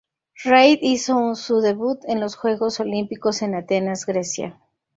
Reid hizo su debut en los Juegos Olímpicos en Atenas, Grecia.